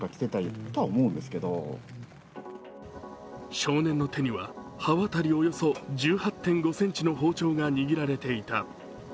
少年の手には刃渡りおよそ１８．５ｃｍの包丁が握られていた。